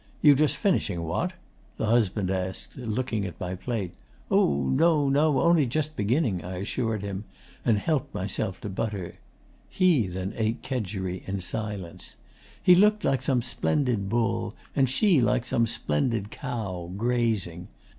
"You just finishing, what?" the husband asked, looking at my plate. "Oh, no no only just beginning," I assured him, and helped myself to butter. He then ate kedgeree in silence. He looked like some splendid bull, and she like some splendid cow, grazing.